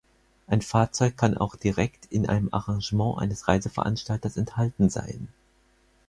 Ein Fahrzeug kann auch direkt in einem Arrangement eines Reiseveranstalters enthalten sein.